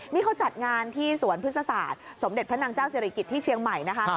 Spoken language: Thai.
นี่เขาจัดงานที่สวนพฤษศาสตร์สมเด็จพระนางเจ้าศิริกิจที่เชียงใหม่นะคะ